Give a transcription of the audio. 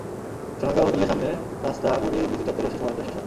সোনারগাঁও হোটেলের সামনের রাস্তা ঘুরে এফডিসি চত্বরে এসে শোভাযাত্রা শেষ হয়।